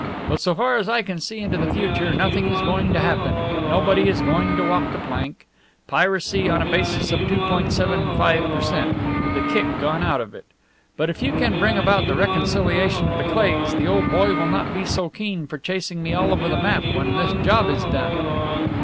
But so far as I can see into the future, nothing is going to happen, nobody is going to walk the plank. Piracy on a basis of 2.75 per cent. the kick gone out of it! But if you can bring about the reconciliation of the Cleighs the old boy will not be so keen for chasing me all over the map when this job is done."